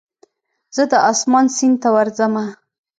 زه د اسمان سیند ته ورځمه